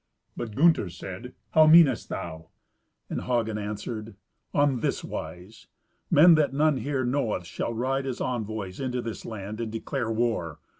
But Gunther said, "How meanest thou?" And Hagen answered, "On this wise. Men that none here knoweth shall ride as envoys into this land and declare war.